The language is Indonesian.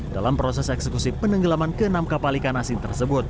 dalam proses eksekusi penenggelaman ke enam kapal ikan asin tersebut